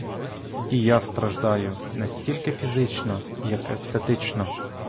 І я страждаю не стільки фізично,, як естетично.